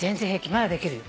まだできるよ。